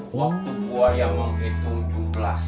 waktu buaya menghitung jumlahnya